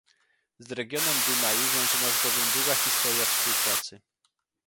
Z regionem Dunaju wiąże nas bowiem długa historia współpracy